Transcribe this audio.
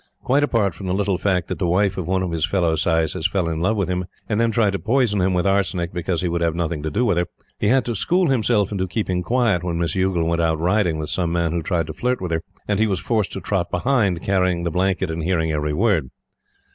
Quite apart from the little fact that the wife of one of his fellow saises fell in love with him and then tried to poison him with arsenic because he would have nothing to do with her, he had to school himself into keeping quiet when Miss Youghal went out riding with some man who tried to flirt with her, and he was forced to trot behind carrying the blanket and hearing every word!